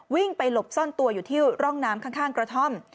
วิ่งไปหลบซ่อนตัวอยู่ที่ร่องน้ำข้างกระท่อม